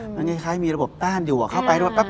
มันคล้ายมีระบบต้านอยู่เข้าไปต้องถอยต้องถอย